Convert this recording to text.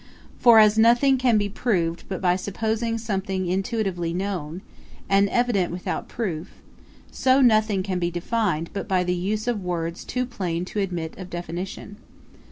For as nothing can be proved but by supposing something intuitively known, and evident without proof, so nothing can be defined but by the use of words too plain to admit of definition.